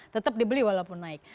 tetap dibeli walaupun naik